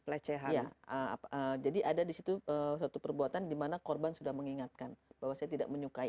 pelecehan jadi ada di situ satu perbuatan dimana korban sudah mengingatkan bahwa saya tidak menyukai